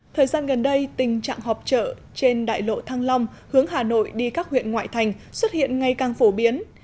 thời gian gần đây tình trạng họp trợ trên đại lộ thăng long hướng hà nội đi các huyện ngoại thành xuất hiện ngày càng phổ biến